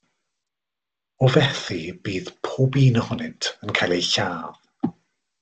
O fethu, bydd pob un ohonynt yn cael eu lladd.